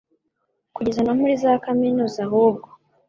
kugeza no muri za kaminuza ahubwo